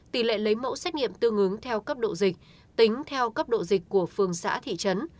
tỷ lệ lấy mẫu xét nghiệm tương ứng theo cấp độ dịch tính theo cấp độ dịch của phường xã thị trấn